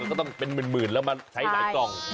ก็ต้องเป็นหมื่นแล้วมาใช้หลายกล่อง